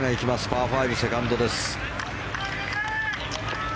パー５、セカンドです。